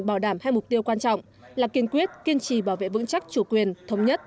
bảo đảm hai mục tiêu quan trọng là kiên quyết kiên trì bảo vệ vững chắc chủ quyền thống nhất